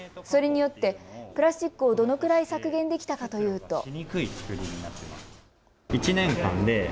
それによってプラスチックをどのくらい削減できたかというと。